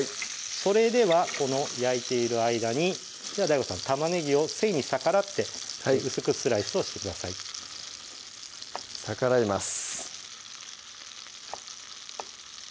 それではこの焼いている間にではＤＡＩＧＯさん玉ねぎを繊維に逆らって薄くスライスをしてください逆らいます